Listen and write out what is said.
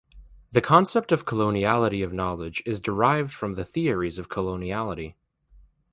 The concept of coloniality of knowledge is derived from the theories of coloniality.